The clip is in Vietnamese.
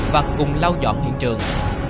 và cùng lau dọn hiện trường